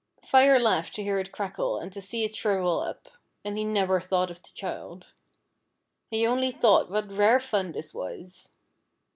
Fire laughed to hear it crackle and to see it shrivel up, and he never thought of the child. He only thought what rare fun this was.